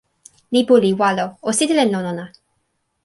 lipu li walo. o sitelen lon ona.